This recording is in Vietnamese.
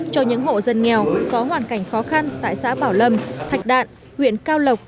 cho những hộ dân nghèo có hoàn cảnh khó khăn tại xã bảo lâm thạch đạn huyện cao lộc